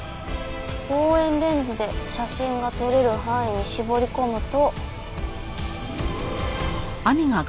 望遠レンズで写真が撮れる範囲に絞り込むと。